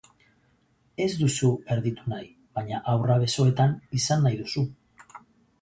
Ez duzu erditu nahi, baina haurra besoetan izan nahi duzu.